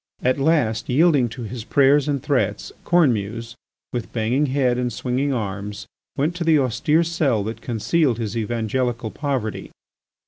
At last, yielding to his prayers and threats, Cornemuse, with banging head and swinging arms, went to the austere cell that concealed his evangelical poverty.